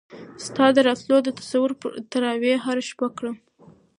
ستا د راتلو د تصور تراوېح هره شپه کړم